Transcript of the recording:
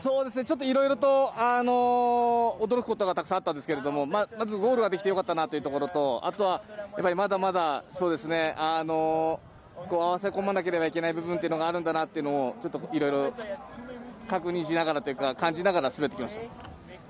ちょっといろいろと驚くことがたくさんあったんですけれどもまず、ゴールはできてよかったなというところとあとは、まだまだ合わせこまなければいけないこともあるんだなといろいろ確認しながらというか感じながら滑ってきました。